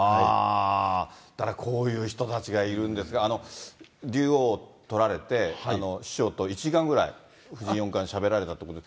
だからこういう人たちがいるんですが、竜王取られて、師匠と１時間ぐらい、藤井四冠しゃべられたということで。